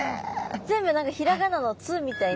全部何かひらがなの「つ」みたいになってる。